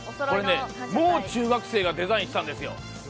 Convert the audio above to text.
これ、もう中学生がデザインしたんですよ。